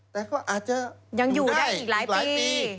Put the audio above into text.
แต่ก็อาจจะยังอยู่ได้อีกหลายปี